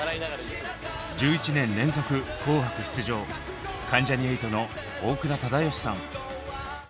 １１年連続「紅白」出場関ジャニ∞の大倉忠義さん。